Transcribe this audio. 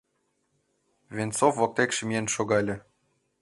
Венцов воктекше миен шогале.